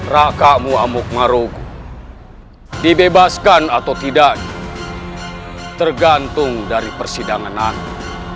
raka muamuk marugul dibebaskan atau tidak tergantung dari persidangan aku